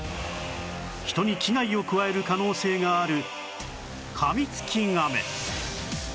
人に危害を加える可能性があるカミツキガメ